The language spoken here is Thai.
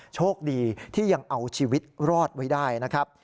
โชคดีที่ยังเอาชีวิตรอดไว้ได้นะครับ